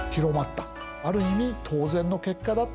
ある意味当然の結果だった。